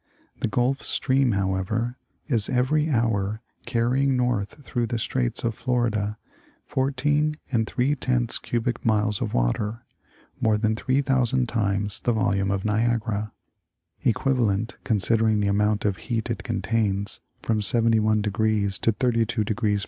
The Gulf Stream, however, is every hour carrying north through the straits of Florida fourteen and three tenths cubic miles of water (more than three thousand times the the volume of Niagara), equivalent, considering the amount of heat it contains from 71° to 32° F.